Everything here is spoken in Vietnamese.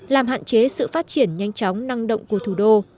làm hạn chế sự phát triển nhanh chóng năng động của thủ đô